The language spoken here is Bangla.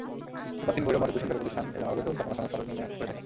এরপর তিনি ভৈরব নদের দূষণকারী প্রতিষ্ঠান এবং অবৈধ স্থাপনাসমূহ সরেজমিনে ঘুরে দেখেন।